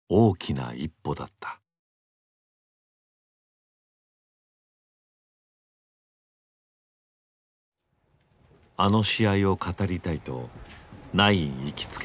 あの試合を語りたいとナイン行きつけの店に案内された。